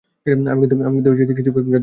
আমি কিন্তু কিছু গ্রাহ্য করতুম না।